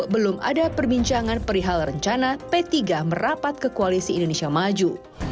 belum ada perbincangan perihal rencana p tiga merapat ke koalisi indonesia maju